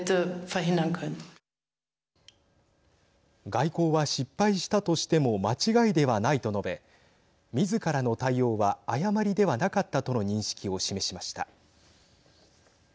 外交は失敗したとしても間違いではないと述べみずからの対応は誤りではなかったとの認識を示しました。